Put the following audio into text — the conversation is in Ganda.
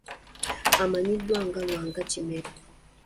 Amannyiddwa nga Lwanga Kimera.